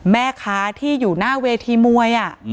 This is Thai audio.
แม่ค้าที่อยู่หน้าเวทีมวย